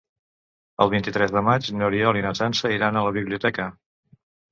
El vint-i-tres de maig n'Oriol i na Sança iran a la biblioteca.